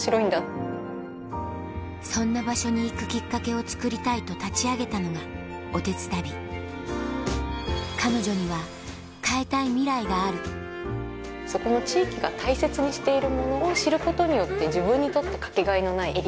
そんな場所に行くきっかけを作りたいと立ち上げたのがおてつたび彼女には変えたいミライがあるそこの地域が大切にしているものを知ることによって自分にとって。